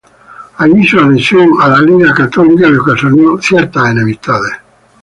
Allí su adhesión a la "Ligue catholique" le ocasionó ciertas enemistades.